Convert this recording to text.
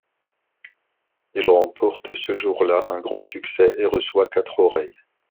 Il remporte ce jour là un grand succès et reçoit quatre oreilles.